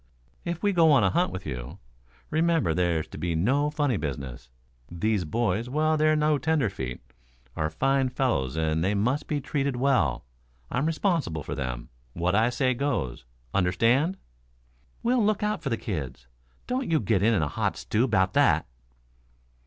"If we go on a hunt with you, remember there's to be no funny business. These boys, while they're no tenderfeet, are fine fellows and they must be treated well. I'm responsible for them. What I say goes. Understand?" "We'll look out for the kids, don't you get in a hot stew 'bout that."